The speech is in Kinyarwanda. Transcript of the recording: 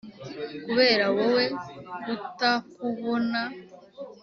kubera wowe, kutakubonaaa